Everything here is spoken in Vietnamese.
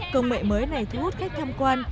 công nghệ mới này thu hút khách tham quan